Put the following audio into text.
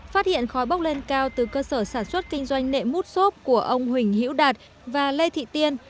phát hiện khói bốc lên cao từ cơ sở sản xuất kinh doanh nệm mút xốp của ông huỳnh hiễu đạt và lê thị tiên